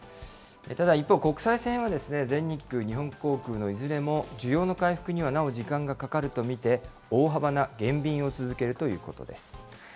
ただ一方、国際線は全日空、日本航空のいずれも、需要の回復にはなお時間がかかると見て、大幅な減便を続けるということです。